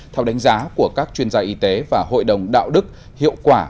theo đánh giá của các chuyên gia y tế và hội đồng đạo đức hiệu quả